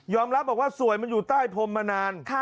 รับบอกว่าสวยมันอยู่ใต้พรมมานาน